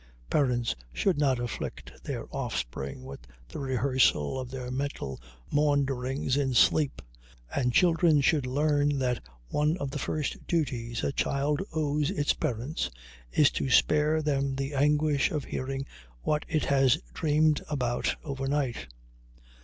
Parents should not afflict their offspring with the rehearsal of their mental maunderings in sleep, and children should learn that one of the first duties a child owes its parents is to spare them the anguish of hearing what it has dreamed about overnight.